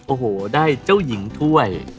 โอ้โหได้เจ้าหญิงถ้วย